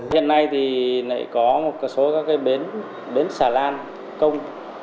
hiện nay thì lại có một số các bến xà lan công